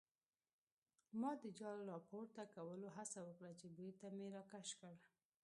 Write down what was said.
ما د جال راپورته کولو هڅه وکړه چې بېرته مې راکش کړ.